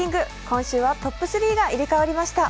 今週はトップ３が入れ代わりました